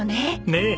ねえ。